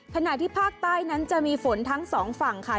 ขณะที่ภาคใต้นั้นจะมีฝนทั้งสองฝั่งค่ะ